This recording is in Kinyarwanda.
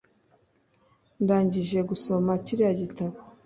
ndangije gusoma kiriya gitabo